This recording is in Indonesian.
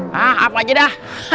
hah apa aja dah